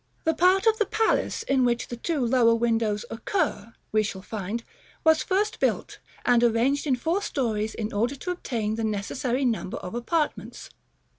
The part of the palace in which the two lower windows occur, we shall find, was first built, and arranged in four stories in order to obtain the necessary number of apartments.